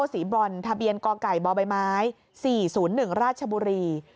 สีบร่อนทะเบียนกไก่บใบไม้สี่ศูนย์หนึ่งราชบุรี